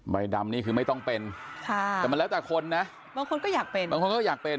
ดำนี่คือไม่ต้องเป็นค่ะแต่มันแล้วแต่คนนะบางคนก็อยากเป็นบางคนก็อยากเป็น